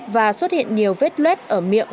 và xuất hiện nhiều vết lết ở miệng